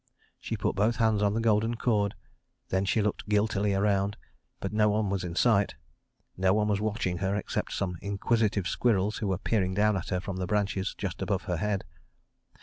She put both hands on the golden cord, then she looked guiltily around; but no one was in sight, no one was watching her except some inquisitive squirrels who were peering down at her from the branches just above her head.